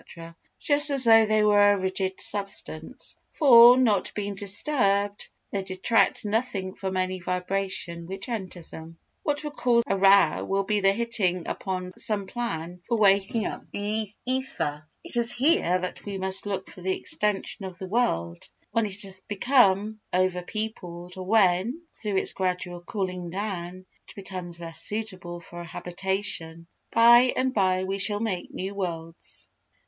just as though they were a rigid substance, for, not being disturbed, they detract nothing from any vibration which enters them. What will cause a row will be the hitting upon some plan for waking up the ether. It is here that we must look for the extension of the world when it has become over peopled or when, through its gradual cooling down, it becomes less suitable for a habitation. By and by we shall make new worlds.